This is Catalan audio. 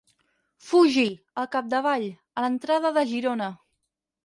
Fugi, al capdavall, a l'entrada de Girona.